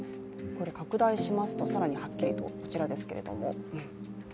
拡大しますと更にはっきりと、こちらですけれども。